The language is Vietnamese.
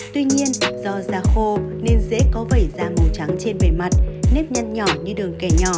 tuy nhiên do da khô nên dễ có vẻ da màu trắng trên bề mặt nếp nhăn nhỏ như đường kẻ